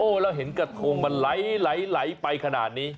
โอ้ยแล้วเห็นกระทงมันไหลไหลไหลไปขนาดนี้